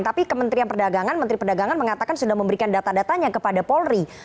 tapi kementerian perdagangan menteri perdagangan mengatakan sudah memberikan data datanya kepada polri